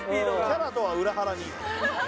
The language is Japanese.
キャラとは裏腹に。